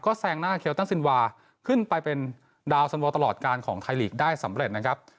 แซงหน้าเคลตันซินวาขึ้นไปเป็นดาวสันโวตลอดการของไทยลีกได้สำเร็จนะครับ